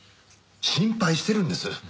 心配してるんです。